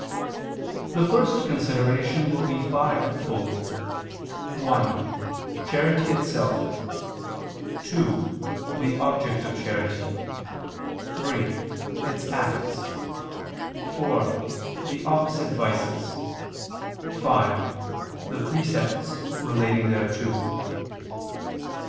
The first consideration will be fivefold: (1) Charity itself; (2) The object of charity; (3) Its acts; (4) The opposite vices; (5) The precepts relating thereto.